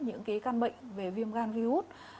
những cái can bệnh về viêm gan virus